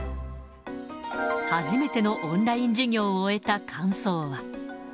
初めてのオンライン授業を終えた感想は。